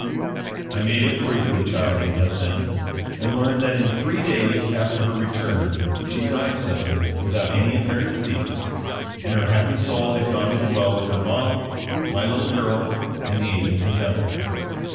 I made inquiry for the child at S n and learned that in three days after her return she died suddenly, without any apparent disease, and her happy soul had gone to dwell with her ma, my little girl and the angels in heaven.